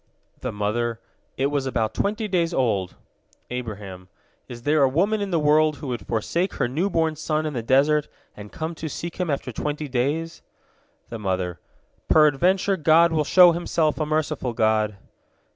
The mother: "It was about twenty days old." Abraham: "Is there a woman in the world who would forsake her new born son in the desert, and come to seek him after twenty days?" The mother: "Peradventure God will show Himself a merciful God!"